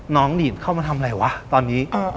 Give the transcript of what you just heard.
หนีดเข้ามาทำอะไรวะตอนนี้